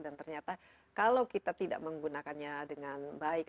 dan ternyata kalau kita tidak menggunakannya dengan berat